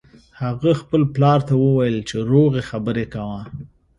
هغه خپل پلار ته وویل چې روغې خبرې کوه